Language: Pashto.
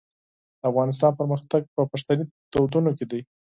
د افغانستان پرمختګ په پښتني دودونو کې دی.